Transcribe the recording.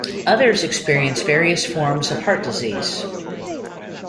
Others experience various forms of heart disease.